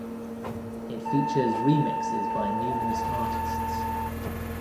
It features remixes by numerous artists.